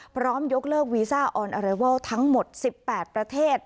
พร้อมยกเลิกวีซ่าออนเออเรเวิลทั้งหมดสิบแปดประเทศ